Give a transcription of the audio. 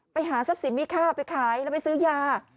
ไปหาทรัพย์สินมีค่าไปขายแล้วไปซื้อยา